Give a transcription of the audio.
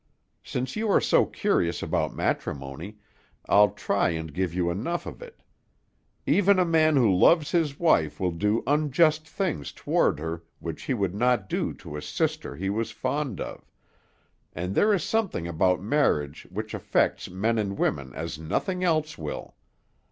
Since you are so curious about matrimony, I'll try and give you enough of it. Even a man who loves his wife will do unjust things toward her which he would not do to a sister he was fond of; and there is something about marriage which affects men and women as nothing else will.